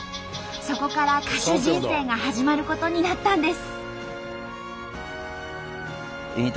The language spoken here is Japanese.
そこから歌手人生が始まることになったんです。